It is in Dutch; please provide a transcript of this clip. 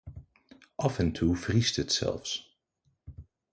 Af en toe vriest het zelfs.